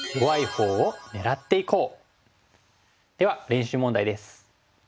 では練習問題です。